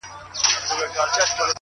• پاچا صاحبه خالي سوئ، له جلاله یې.